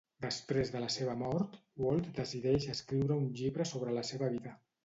Després de la seva mort, Walt decideix escriure un llibre sobre la seva vida.